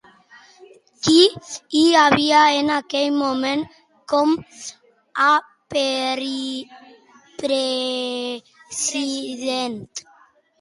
Qui hi havia, en aquell moment, com a president?